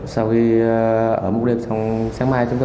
sau khi ở mục đêm xong sáng mai chúng tôi